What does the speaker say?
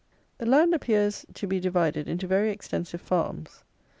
The land appears to be divided into very extensive farms.